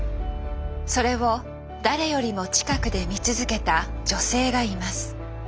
それを誰よりも近くで見続けた女性がいます。